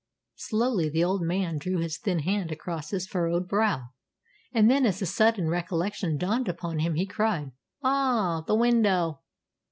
Slowly the old man drew his thin hand across his furrowed brow, and then, as a sudden recollection dawned upon him, he cried, "Ah, the window!